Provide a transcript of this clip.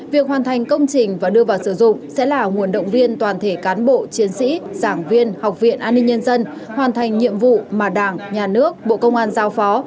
việc hoàn thành công trình và đưa vào sử dụng sẽ là nguồn động viên toàn thể cán bộ chiến sĩ giảng viên học viện an ninh nhân dân hoàn thành nhiệm vụ mà đảng nhà nước bộ công an giao phó